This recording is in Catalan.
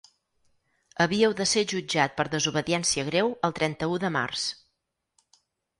Havíeu de ser jutjat per desobediència greu el trenta-u de març.